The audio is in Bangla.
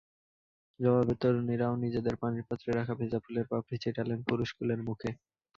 জবাবে তরুণীরাও নিজেদের পানির পাত্রে রাখা ভেজা ফুলের পাপড়ি ছিটালেন পুরুষকুলের মুখে।